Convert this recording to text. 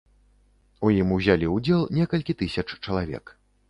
У ім узялі ўдзел некалькі тысяч чалавек.